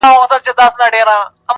ډاکټر اقبال شاکر